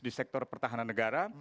di sektor pertahanan negara